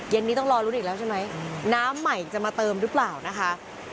เย็นนี้ต้องรอลุ้นอีกแล้วใช่ไหมน้ำใหม่จะมาเติมหรือเปล่านะคะ